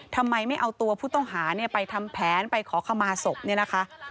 ทำไมไม่เอาตัวผู้ต้องหาไปทำแผนไปขอขมาศพเนี่ยนะคะ